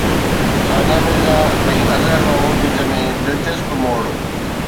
ثانيه مرزا ۽ اظهر محمود وچ ۾ دلچسپ موڙ